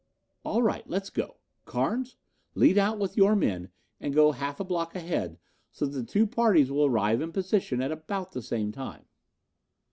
"All right, let's go. Carnes, lead out with your men and go half a block ahead so that the two parties will arrive in position at about the same time."